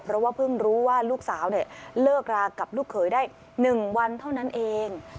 เพราะว่าเพิ่งรู้ว่าลูกสาวเลิกรากับลูกเขยได้๑วันเท่านั้นเอง